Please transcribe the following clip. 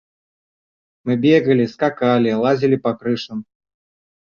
Мы бегали, скакали, лазили по крышам.